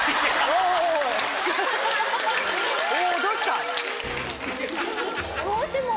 おどうした？